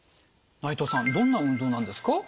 内藤さんどんな運動なんですか？